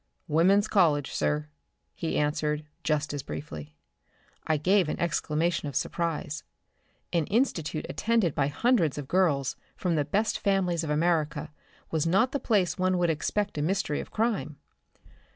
"Woman's College, sir," he answered, just as briefly. I gave an exclamation of surprise. An institution attended by hundreds of girls from the best families of America was not the place one would expect a mystery of crime.